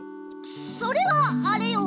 それはあれよ。